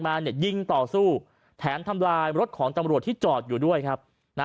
มาเนี่ยยิงต่อสู้แถมทำลายรถของตำรวจที่จอดอยู่ด้วยครับนะ